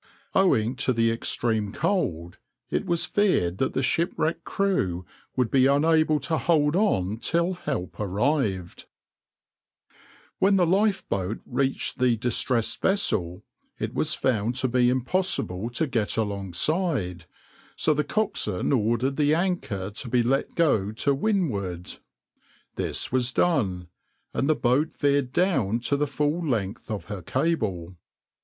Owing to the extreme cold, it was feared that the shipwrecked crew would be unable to hold on till help arrived.\par \vs {\noindent} When the lifeboat reached the distressed vessel, it was found to be impossible to get alongside, so the coxswain ordered the anchor to be let go to windward. This was done, and the boat veered down to the full length of her cable.